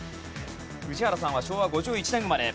宇治原さんは昭和５１年生まれ。